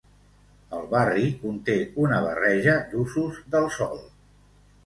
El barri conté una barreja d'usos del sòl.